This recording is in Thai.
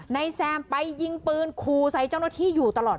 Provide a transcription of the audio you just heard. แซมไปยิงปืนคูใส่เจ้าหน้าที่อยู่ตลอด